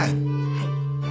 はい。